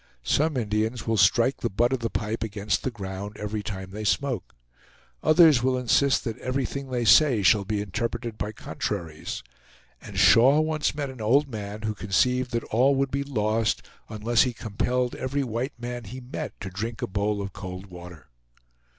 Some Indians will strike the butt of the pipe against the ground every time they smoke; others will insist that everything they say shall be interpreted by contraries; and Shaw once met an old man who conceived that all would be lost unless he compelled every white man he met to drink a bowl of cold water.